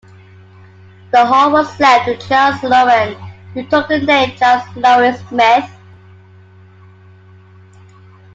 The hall was left to Charles Loraine who took the name Charles Loraine Smith.